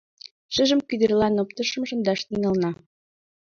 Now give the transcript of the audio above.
Шыжым кӱдырлан оптышым шындаш тӱҥална.